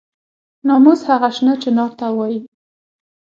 ناموس هغه شنه چنار ته وایي.